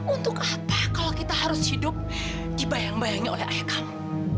untuk apa kalau kita harus hidup dibayang bayangin oleh ayah kamu